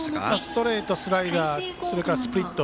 ストレート、スライダースプリット